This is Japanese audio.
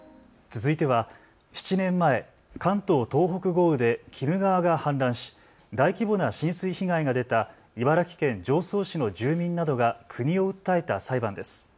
続いては７年前、関東・東北豪雨で鬼怒川が氾濫し大規模な浸水被害が出た茨城県常総市の住民などが国を訴えた裁判です。